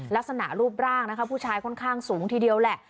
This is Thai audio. ลักษณะรูปร่างนะคะผู้ชายค่อนข้างสูงทีเดียวแหละ